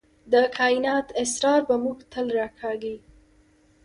د کائنات اسرار به موږ تل راکاږي.